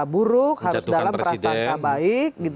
buruk harus dalam prasangka baik